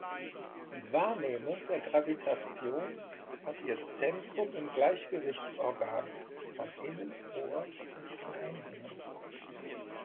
Die Wahrnehmung der Gravitation hat ihr Zentrum im Gleichgewichtsorgan von Innenohr und Kleinhirn.